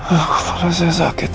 aku merasa sakit ya